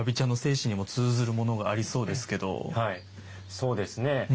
はいそうですね。